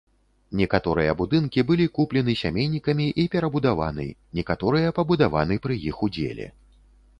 Некаторыя будынкі былі куплены сямейнікамі і перабудаваны, некаторыя пабудаваны пры іх удзеле.